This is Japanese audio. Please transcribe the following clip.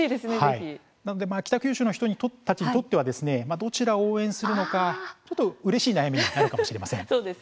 北九州市の人たちにとっては、どちらを応援するのかうれしい悩みになるかもしれません。